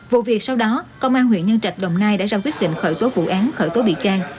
vụ việc sau đó công an huyện nhân trạch đồng nai đã ra quyết định khởi tố vụ án khởi tố bị can